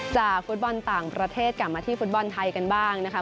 ฟุตบอลต่างประเทศกลับมาที่ฟุตบอลไทยกันบ้างนะคะ